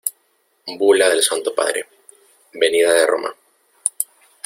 bula del Santo Padre, venida de Roma.